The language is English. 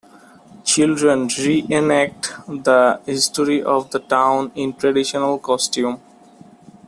Children re-enact the history of the town in traditional costume.